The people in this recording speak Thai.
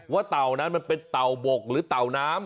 เต่านั้นมันเป็นเต่าบกหรือเต่าน้ำ